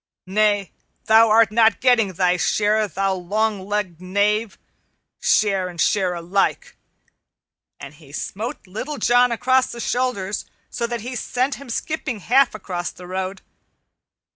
"Nay, thou art not getting thy share, thou long legged knave. Share and share alike." And he smote Little John across the shoulders so that he sent him skipping half across the road.